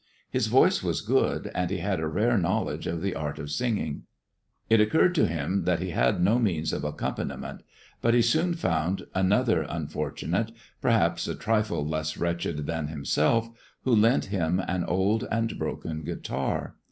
His voice was good, and he had a rare knowledge of the art of singing. It occurred to him that he had no means of accompaniment. But he soon found another unfortunate, perhaps a trifle less wretched than himself, who lent him an old and broken guitar.